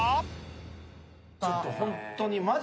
ちょっとホントに。